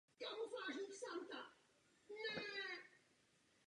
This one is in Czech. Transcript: Za první republiky organizoval stávky a byl opakovaně stíhán.